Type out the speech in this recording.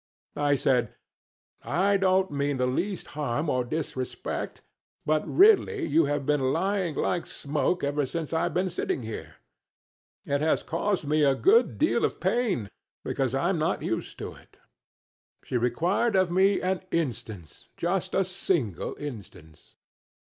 I said, "I don't mean the least harm or disrespect, but really you have been lying like smoke ever since I've been sitting here. It has caused me a good deal of pain, because I'm not used to it." She required of me an instance just a single instance.